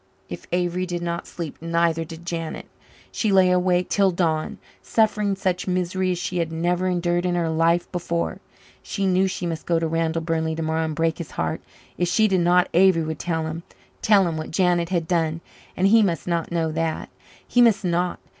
If Avery did not sleep, neither did Janet. She lay awake till dawn, suffering such misery as she had never endured in her life before. She knew she must go to Randall Burnley tomorrow and break his heart. If she did not, Avery would tell him tell him what Janet had done. And he must not know that he must not.